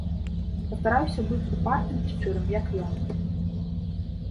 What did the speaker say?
Пастараюся быць упартым і шчырым, як ён.